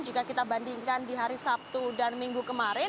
jika kita bandingkan di hari sabtu dan minggu kemarin